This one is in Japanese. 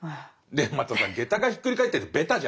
またさ下駄がひっくり返ってってベタじゃん。